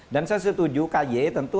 dan saya setuju ky tentu